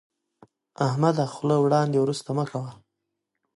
احمده، خوله وړاندې ورسته مه کوه.